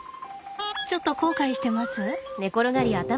ちょっと後悔してます？